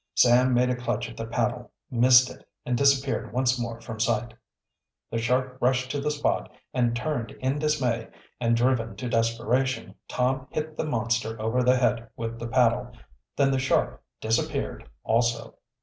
Sam made a clutch at the paddle, missed it, and disappeared once more from sight. The shark rushed to the spot and turned in dismay, and driven to desperation, Tom hit the monster over the head with the paddle. Then the shark disappeared also.